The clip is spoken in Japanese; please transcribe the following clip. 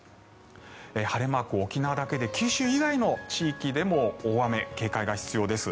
晴れマーク、沖縄だけで九州以外の地域でも大雨に警戒が必要です。